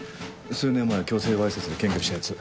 数年前強制わいせつで検挙したヤツ。